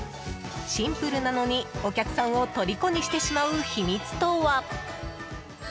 シンプルなのにお客さんを虜にしてしまう秘密とは？